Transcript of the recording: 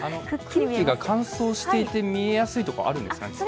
空気が乾燥していて見えやすいとかあるんですかね。